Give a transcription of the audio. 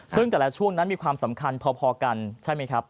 ซึ่งแต่ละช่วงนั้นมีความสำคัญพอกันใช่ไหมครับ